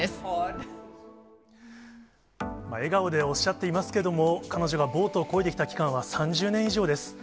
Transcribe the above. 笑顔でおっしゃっていますけど、彼女がボートをこいできた期間は３０年以上です。